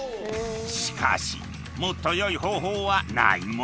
しかしもっと良い方法はないものか？